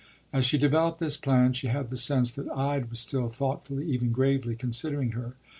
” As she developed this plan, she had the sense that Ide was still thoughtfully, even gravely, considering her.